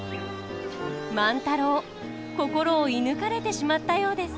万太郎心を射ぬかれてしまったようです。